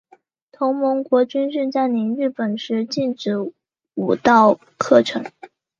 同盟国军事占领日本时禁止武道课程。